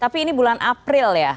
tapi ini bulan april ya